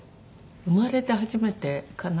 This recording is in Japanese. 生まれて初めてかな？